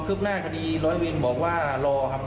พอเคลืบหน้าคดีร้อยเวียนบอกว่ารอครับ